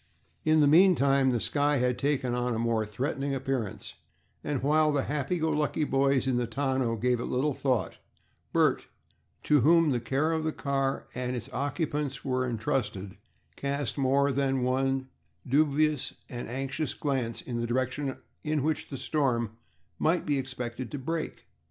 In the meantime the sky had taken on a more threatening appearance, and while the happy go lucky boys in the tonneau gave it little thought, Bert, to whom the care of the car and its occupants were intrusted, cast more than one dubious and anxious glance in the direction in which the storm might be expected to break.